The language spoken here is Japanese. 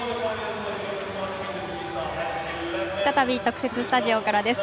再び特設スタジオからです。